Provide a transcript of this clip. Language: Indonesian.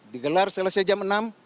digelar selesai jam enam